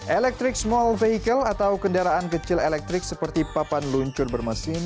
electric small vehicle atau kendaraan kecil elektrik seperti papan luncur bermesin